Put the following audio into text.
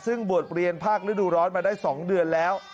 ซึ่งบวชเรียนภาคฤดูร้อนมาได้๒เดือนแล้ว